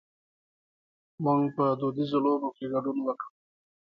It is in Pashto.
مونږ په دودیزو لوبو کې ګډون وکړ.